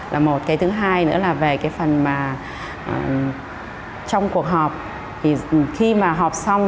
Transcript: là một cái thứ hai nữa là về cái phần mà trong cuộc họp thì khi mà họp xong